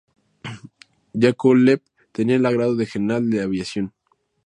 Yákovlev tenía el grado de General de Aviación.